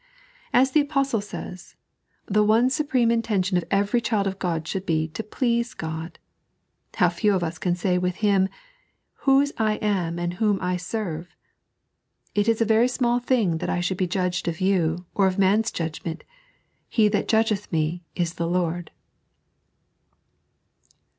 As the Apostle says, the one supreme intention of every child of God should be to please God. How few of us can say with him :" Whose I am and whom I serve !"" It is a very small thing that I should be judged of you, or of man's judgment ; Ha that judgeth me is the Lord."